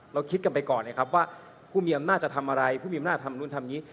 คิดกันไปก่อนนะครับว่าผู้มีอำนาจจะทำอะไรผู้มีอำนาจทำนู่นทำอย่างนี้